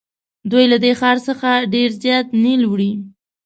دوی له دې ښار څخه ډېر زیات نیل وړي.